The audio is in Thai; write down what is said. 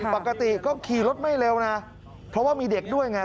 ปกติก็ขี่รถไม่เร็วนะเพราะว่ามีเด็กด้วยไง